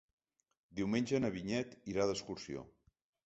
Diumenge na Vinyet irà d'excursió.